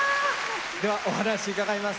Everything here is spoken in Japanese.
ではお話伺います。